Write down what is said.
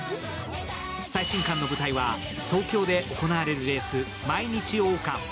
最新刊の舞台は東京で行われるレース、毎日王冠。